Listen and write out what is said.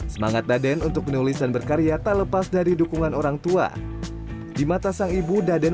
semangat daden untuk penulisan berkarya tak lepas dari dukungan orangtua di mata sang ibu daden